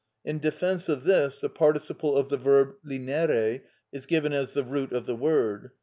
In defence of this the participle of the verb linere is given as the root of the word.